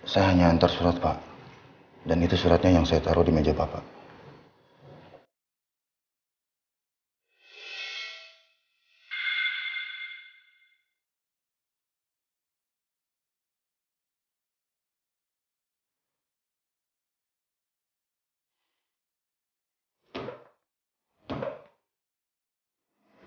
saya hanya hantar surat pak dan itu suratnya yang saya taruh di meja bapak